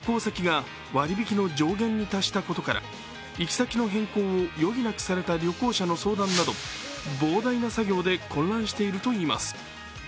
クーポンの利用方法の確認に加え、旅行先が割引の上限に達したことから行先の変更を余儀なくされた旅行者の相談など膨大な作業で混乱しているといいます。